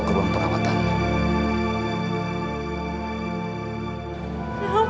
terus berbeda segala macam